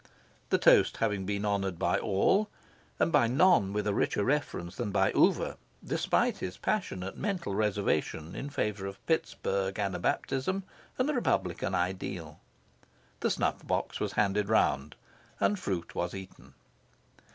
The toast having been honoured by all and by none with a richer reverence than by Oover, despite his passionate mental reservation in favour of Pittsburg Anabaptism and the Republican Ideal the snuff box was handed round, and fruit was eaten.